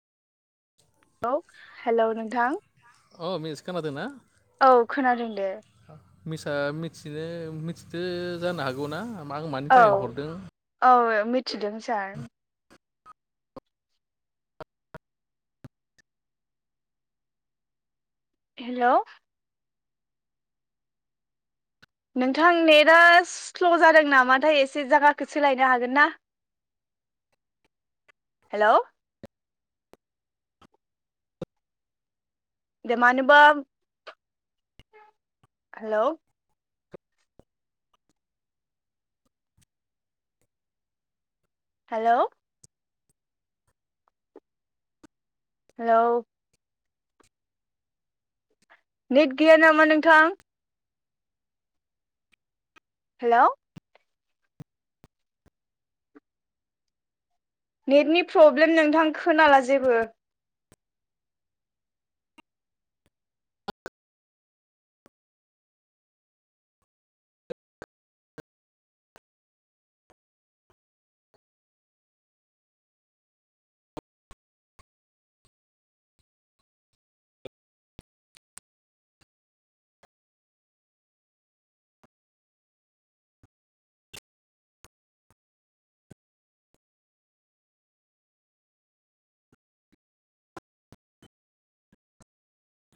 औ हेलौ नोंथां औ मिस खोनादोंना औ खोनादोंदे मिसा मिथिथो मिथिदो जानो हागौना आं मानि औ थाखाय हरदों औ मिथिदों सार हेलौ नोंथां नेटआ स्ल' जादों नामाथाय एसे जागाखो सोलायनो हागोन ना हेलौ देमानोबा हेलौ हेलौ हेलौ नेट गैया नामा नोंथां हेलौ नेटनि प्रब्लेम नोंथां खोनाला जेबो